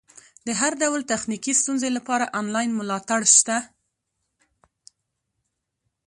د هر ډول تخنیکي ستونزې لپاره انلاین ملاتړ شته.